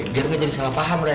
biar nggak jadi salah paham re